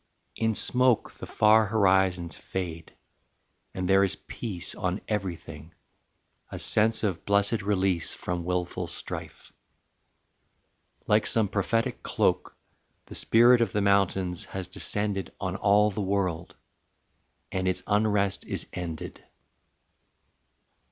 In smoke The far horizons fade; and there is peace On everything, a sense of blessed release From wilful strife. Like some prophetic cloak The spirit of the mountains has descended On all the world, and its unrest is ended.